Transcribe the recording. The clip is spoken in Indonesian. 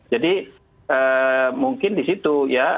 jadi mungkin disitu ya